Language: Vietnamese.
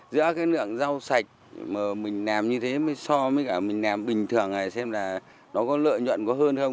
giữa cái lượng rau sạch mà mình làm như thế mới so với cả mình làm bình thường này xem là nó có lợi nhuận có hơn không